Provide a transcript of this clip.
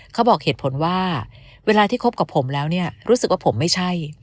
เขาบอกเหตุผลว่าเวลาที่คบกับผมแล้วเนี่ยรู้สึกว่าผมไม่ใช่